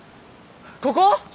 ここ！？